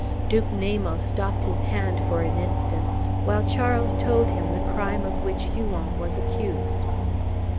Duke Namo stopped his hand for an instant, while Charles told him the crime of which Huon was accused.